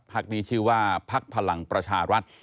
นี้ชื่อว่าพักพลังประชารัฐ